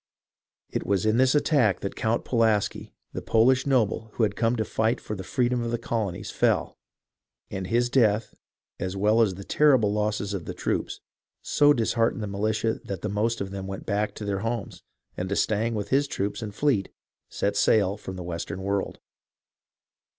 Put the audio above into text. It was in this attack that Count Pulaski, the Polish noble who had come to fight for the freedom of the colonies, fell, and his death, as well as the terrible losses of the troops, so dis heartened the militia that the most of them went back to their homes, and d'Estaing, with his troops and fleet, set sail from the Western world.